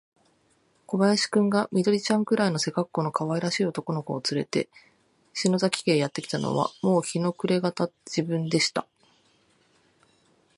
小林君が、緑ちゃんくらいの背かっこうのかわいらしい男の子をつれて、篠崎家へやってきたのは、もう日の暮れがた時分でした。